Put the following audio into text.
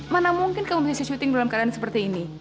mana mungkin kamu bisnis syuting dalam keadaan seperti ini